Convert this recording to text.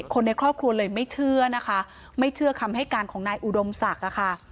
คนในครอบครัวเลยไม่เชื่อนะคะไม่เชื่อคำให้การของนายอุดมศักดิ์ค่ะ